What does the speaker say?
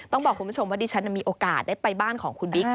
ต้องบอกคุณผู้ชมว่าดิฉันมีโอกาสได้ไปบ้านของคุณบิ๊ก